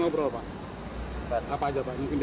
belum belum sempat nanya nanya